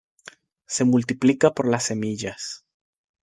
Se multiplica por las semillas.